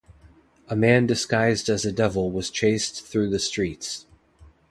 A man disguised as a devil was chased through the streets.